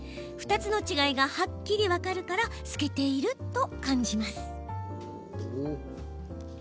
２つの違いがはっきり分かるから透けていると感じます。